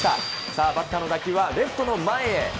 さあ、バッターの打球はレフトの前へ。